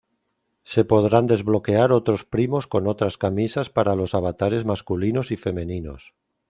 Se podrán desbloquear otros primos con otras camisas para los avatares masculinos y femeninos.